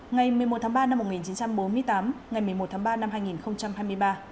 ngày một mươi một tháng ba năm một nghìn chín trăm bốn mươi tám ngày một mươi một tháng ba năm hai nghìn hai mươi ba